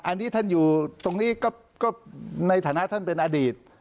อันนี้ท่านอยู่ตรงนี้ก็ในฐานะท่านเป็นอดีต